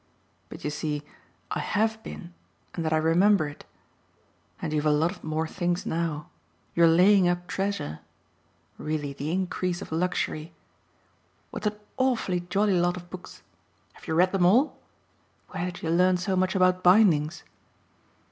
But you see I HAVE been and that I remember it. And you've a lot more things now. You're laying up treasure. Really the increase of luxury ! What an awfully jolly lot of books have you read them all? Where did you learn so much about bindings?"